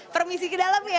permisi ke dalam ya